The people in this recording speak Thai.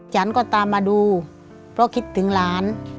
ฉันก็ตามมาดูเพราะคิดถึงหลาน